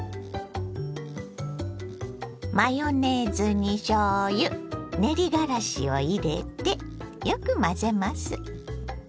マヨネーズにしょうゆ練りがらしを入れてよく混ぜます。